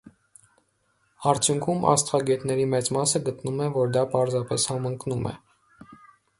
Արդյունքում աստղագետների մեծ մասը գտնում է, որ դա պարզապես համընկնում է։